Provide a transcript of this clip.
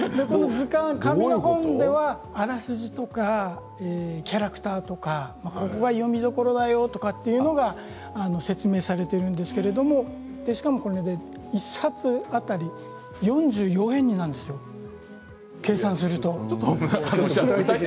図鑑ではあらすじとかキャラクターとかここが読みどころだよという説明がされているんですけれどしかも１冊当たり４４円なんですよ、計算すると。